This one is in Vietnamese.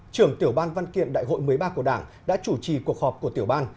trưởng tiểu ban văn kiện đại hội một mươi ba của đảng đã chủ trì cuộc họp của tiểu ban